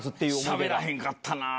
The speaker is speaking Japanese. しゃべらへんかったな。